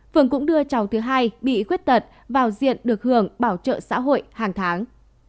phường cũng đưa cháu thứ hai bị khuyết tật vào diện được hưởng bảo trợ xã hội hàng tháng